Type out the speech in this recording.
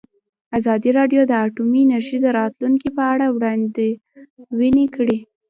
ازادي راډیو د اټومي انرژي د راتلونکې په اړه وړاندوینې کړې.